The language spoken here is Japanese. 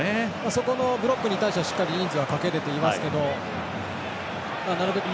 そこのブロックに対してしっかり人数かけられていますがなるべく